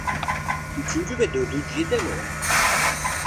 Üçüncü ve dördüncüye de mi o?